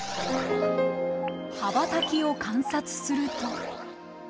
羽ばたきを観察すると。